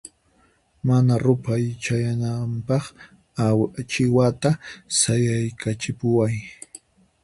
Mana ruphay chayanawanpaqqa achiwata sayaykachipuway.